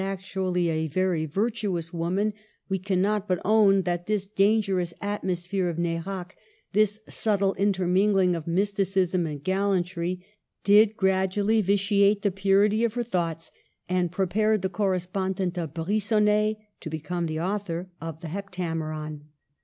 131 actually a very virtuous woman, we cannot but own that this dangerous atmosphere of Nerac, this subtle intermingling of mysticism and gallantry, did gradually vitiate the purity of her thoughts, and prepared the correspon dent of Brigonnet to become the author of the '* Heptameron."